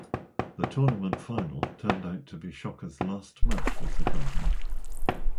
The tournament final turned out to be Shocker's last match with the company.